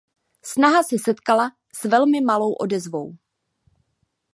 Snaha se setkala s velmi malou odezvou.